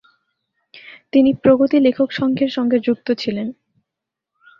তিনি প্রগতি লেখক সংঘের সঙ্গে যুক্ত ছিলেন।